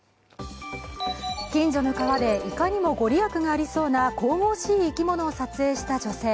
近所の川で、いかにも御利益がありそうな神々しい生き物を撮影した女性。